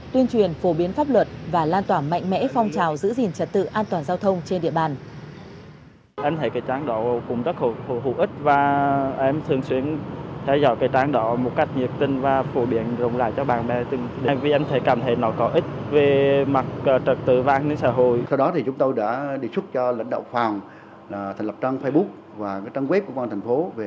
tuyên truyền phổ biến pháp luật và lan tỏa mạnh mẽ phong trào giữ gìn trật tự an toàn giao thông trên địa bàn